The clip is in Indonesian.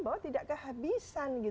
bahwa tidak kehabisan